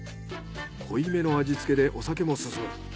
濃い目の味付けでお酒も進む。